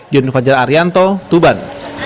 yunifajar arianto tuban